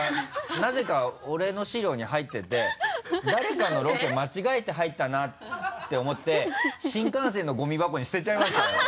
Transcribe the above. なぜか俺の資料に入ってて誰かのロケ間違えて入ったなって思って新幹線のゴミ箱に捨てちゃいました俺。